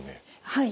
はい。